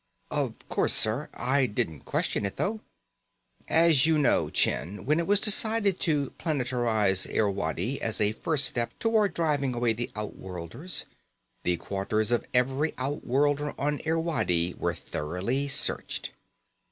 "Of course, sir. I didn't question it, though." "As you know, Chind, when it was decided to planetarize Irwadi as a first step toward driving away the outworlders, the quarters of every outworlder on Irwadi were thoroughly searched."